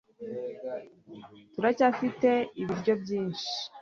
turacyafite ibiryo byinshi